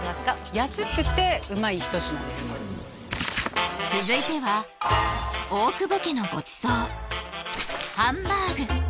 安くて旨い一品です続いては大久保家のごちそうハンバーグ